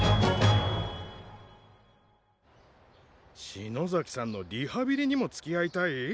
篠崎さんのリハビリにもつきあいたい？